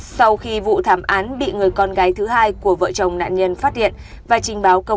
sau khi vụ thảm án bị người con gái thứ hai của vợ chồng nạn nhân phát hiện và trình báo công